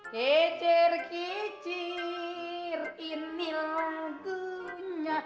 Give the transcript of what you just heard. kecir kecir ini lagunya